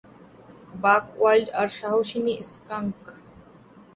বাক ওয়াইল্ড আর সাহসিনী স্কাঙ্ক!